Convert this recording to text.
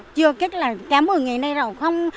chưa két là cả một mươi ngày nay rồi